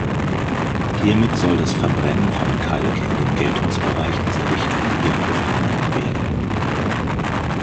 Hiermit soll das Verbrennen von Kalk in den Geltungsbereich dieser Richtlinie aufgenommen werden.